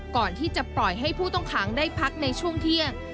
ก่อนที่จะปล่อยให้ผู้ต้องขังได้พักในช่วงเที่ยง